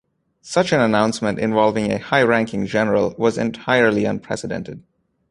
Such an announcement involving a high-ranking general was entirely unprecedented.